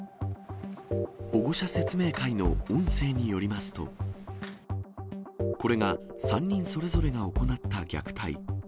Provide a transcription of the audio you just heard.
保護者説明会の音声によりますと、これが３人それぞれが行った虐待。